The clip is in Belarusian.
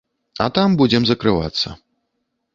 А там будзем закрывацца.